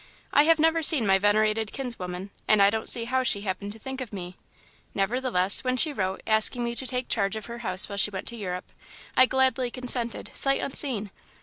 I have never seen my venerated kinswoman, and I don't see how she happened to think of me. Nevertheless, when she wrote, asking me to take charge of her house while she went to Europe, I gladly consented, sight unseen.